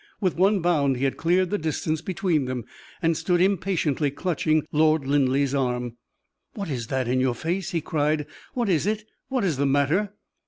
With one bound he had cleared the distance between them, and stood impatiently clutching Lord Linleigh's arm. "What is that in your face?" he cried. "What is it? What is the matter?"